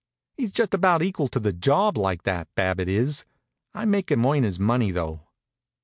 He's just about equal to a job like that, Babbitt is. I make him earn his money, though."